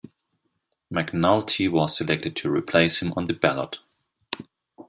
McNulty was selected to replace him on the ballot.